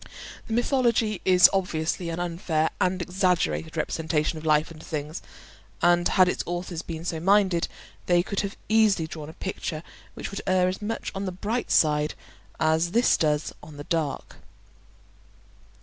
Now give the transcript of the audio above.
The mythology is obviously an unfair and exaggerated representation of life and things; and had its authors been so minded they could have easily drawn a picture which would err as much on the bright side as this does on the dark.